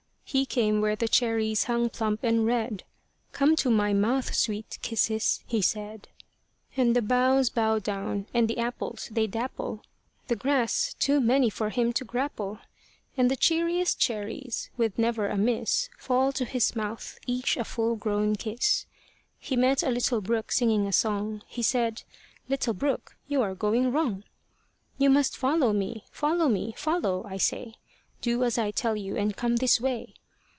He came where the cherries hung plump and red: "Come to my mouth, sweet kisses," he said. And the boughs bow down, and the apples they dapple The grass, too many for him to grapple. And the cheeriest cherries, with never a miss, Fall to his mouth, each a full grown kiss. He met a little brook singing a song. He said, "Little brook, you are going wrong. "You must follow me, follow me, follow, I say Do as I tell you, and come this way."